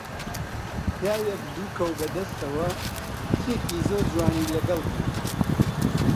پیاوێک دوو کەو بە دەستەوە، کچێکی زۆر جوانی لەگەڵ بوو